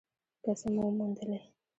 پیسې مو وموندلې؟